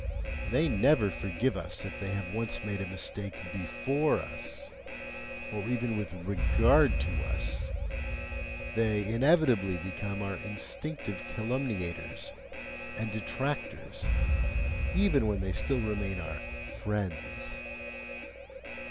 They never forgive us if they have once made a mistake BEFORE us (or even with REGARD to us) they inevitably become our instinctive calumniators and detractors, even when they still remain our "friends."